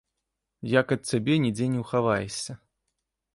Як ад цябе нідзе не ўхаваешся.